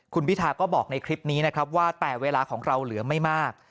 คุณพิทาก็บอกในคลิปนี้นะครับว่าแต่เวลาของเราเหลือไม่มาก